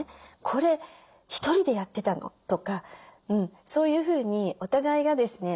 「これ１人でやってたの？」とかそういうふうにお互いがですね